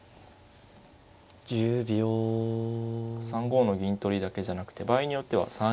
３五の銀取りだけじゃなくて場合によっては３一飛車